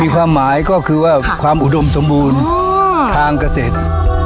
ความหมายก็คือว่าความอุดมสมบูรณ์ทางเกษตร